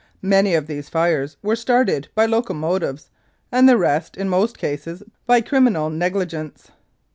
Many of these fires were started by locomotives, and the rest in most cases by criminal negligence.